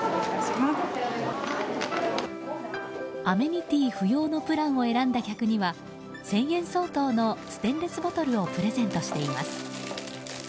アメニティー不要のプランを選んだ客には１０００円相当のステンレスボトルをプレゼントしています。